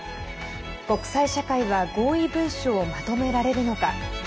国際社会は合意文書をまとめられるのか。